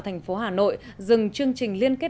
thành phố hà nội dừng chương trình liên kết